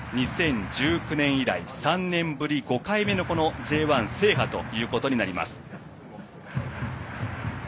２０１９年以来、３年ぶり５回目のＪ１制覇ということになります。